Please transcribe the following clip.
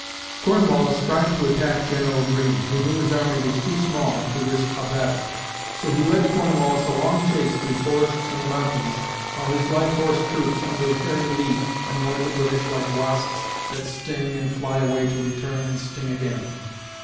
Cornwallis tried to attack General Greene, who knew his army was too small to risk a battle; so he led Cornwallis a long chase through forests and mountains, while his light horse troops under Harry Lee annoyed the British like wasps that sting and fly away to return and sting again!